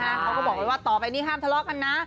เขาก็บอกเลยว่าต่อไปนี้ห้ามทะเลาะกันนะ